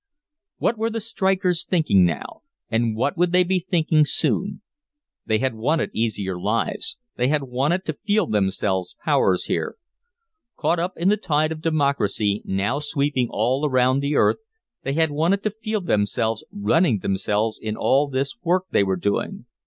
What were the strikers thinking now, and what would they be thinking soon? They had wanted easier lives, they had wanted to feel themselves powers here. Caught up in the tide of democracy now sweeping all around the earth, they had wanted to feel themselves running themselves in all this work they were doing.